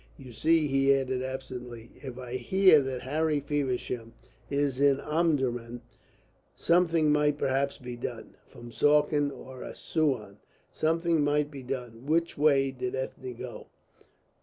"You see," he added absently, "if I hear that Harry Feversham is in Omdurman, something might perhaps be done from Suakin or Assouan, something might be done. Which way did Ethne go?"